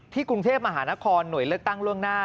กรุงเทพมหานครหน่วยเลือกตั้งล่วงหน้า